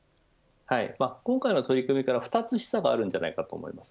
今回の取り組みから２つ示唆があると思います。